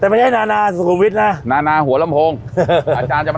แต่ไม่ใช่นานาสุขุมวิทย์นะนานาหัวลำโพงอาจารย์จะมา